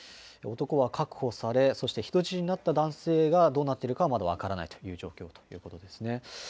男は確保され、そして人質になった男性がどうなっているかはまだ分からないという状況だということですね。